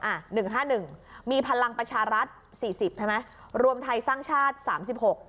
อ่ะหนึ่งห้าหนึ่งมีพลังประชารัฐสี่สิบใช่ไหมรวมไทยสร้างชาติสามสิบหก